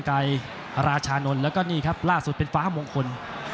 ไกรราชานนท์แล้วก็นี่ครับล่าสุดเป็นฟ้ามงคล